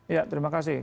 ya terima kasih